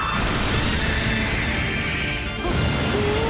あっぐわ！